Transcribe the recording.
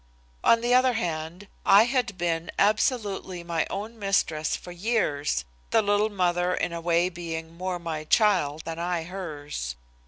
On the other hand, I had been absolutely my own mistress for years, the little mother in a way being more my child than I hers.